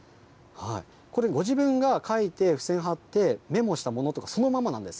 これ、ご自分が書いて、付箋貼って、メモしたものとかがそのままなんです。